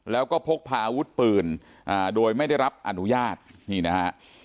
แล้วก็พกพาอาวุธปืนโดยไม่ได้รับอนุญาตนี่นะฮะ